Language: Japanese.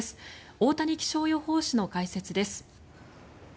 太谷気象予報士の解説です。